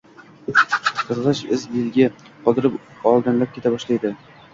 Qizgʻish iz-belgi qoldirib oldinlab keta boshlashdi